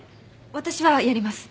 私はやります。